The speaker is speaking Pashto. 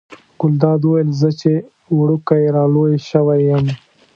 ګلداد وویل زه چې وړوکی را لوی شوی یم.